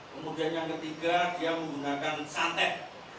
kemudian yang ketiga dia menggunakan sate